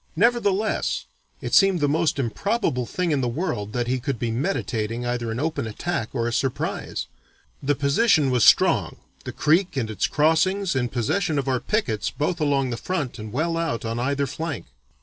Nevertheless, it seemed the most improbable thing in the world that he could be meditating either an open attack or a surprise. The position was strong, the creek and its crossings in possession of our pickets both along the front and well out on either flank."